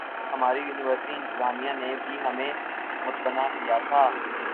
ہماری یونیورسٹی انتظامیہ نے بھی ہمیں متبنہ کیا تھا